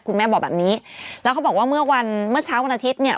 แม่บอกแบบนี้แล้วเขาบอกว่าเมื่อวันเมื่อเช้าวันอาทิตย์เนี่ย